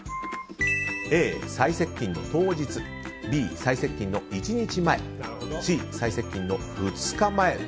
Ａ、最接近の当日Ｂ、最接近の１日前Ｃ、最接近の２日前。